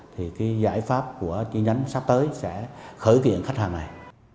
thì cái giải pháp của chính dân sắp tới sẽ khởi viện khách hàng này